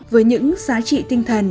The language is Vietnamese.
với những giá trị tinh thần